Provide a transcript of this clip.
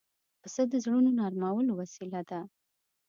پسه د زړونو نرمولو وسیله ده.